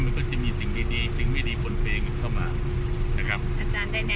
มันก็จะมีสิ่งดีดีสิ่งไม่ดีบนเพลงเข้ามานะครับอาจารย์ได้แนะนำ